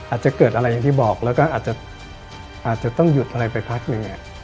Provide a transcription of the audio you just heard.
อาจจะเกิดอะไรอย่างที่บอกแล้วก็อาจจะต้องหยุดอะไรไปพักหนึ่ง